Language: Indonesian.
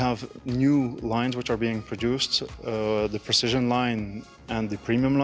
kami memiliki beberapa jenis yang baru yang dihasilkan jenis yang lebih persis dan jenis yang lebih premium